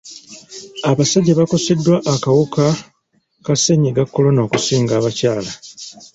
Abasajja bakoseddwa akawuka ka ssennyiga kolona okusinga abakyala.